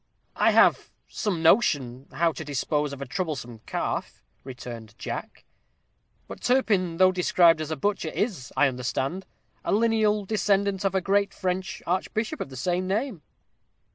"I have some notion how to dispose of a troublesome calf," returned Jack. "But Turpin, though described as a butcher, is, I understand, a lineal descendant of a great French archbishop of the same name."